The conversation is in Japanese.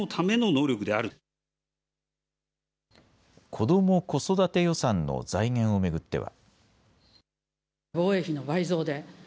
子ども・子育て予算の財源を巡っては。